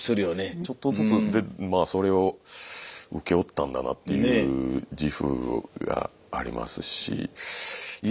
ちょっとずつそれを請け負ったんだなっていう自負がありますしいや